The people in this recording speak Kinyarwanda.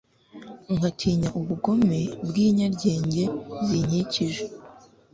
ngatinya ubugome bw’inyaryenge zinkikije